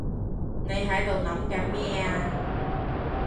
你喺度諗緊咩啊？